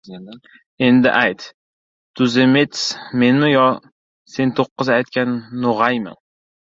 Endi ayt, tuzemets menmi yo sen to‘qqiz qaytgan no‘g‘aymi?